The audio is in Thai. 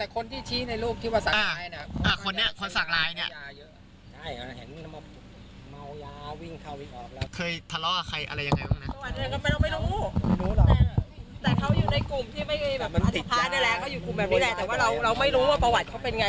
ก็อยู่ในกลุ่มที่ไม่มีประสาทแน่แหละก็อยู่ในกลุ่มแบบนี้แหละแต่ว่าเราไม่รู้ว่าประวัติเขาเป็นไง